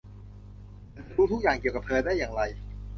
ฉันจะรู้ทุกอย่างเกี่ยวกับเธอได้อย่างไร ?